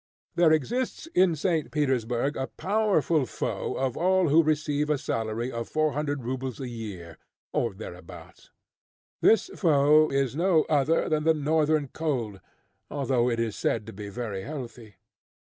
There exists in St. Petersburg a powerful foe of all who receive a salary of four hundred rubles a year, or there abouts. This foe is no other than the Northern cold, although it is said to be very healthy.